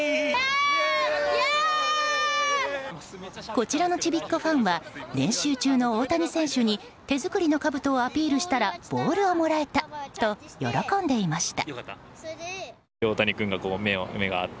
こちらのちびっ子ファンは練習中の大谷選手に手作りのかぶとをアピールしたらボールをもらえたと喜んでいました。